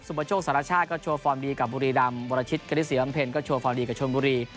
ปโชคสารชาติก็โชว์ฟอร์มดีกับบุรีดำวรชิตกณิตศรีบำเพ็ญก็โชว์ฟอร์มดีกับชนบุรี